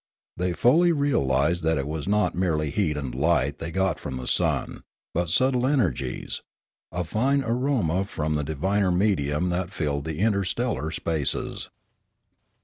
They fully realised that it was not merely heat and light they got from the sun, but subtle energies, a fine aroma from the diviner medium that filled the interstellar spaces.